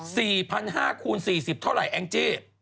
สี่พันห้าคูณสี่สิบเท่าไหร่แองจี้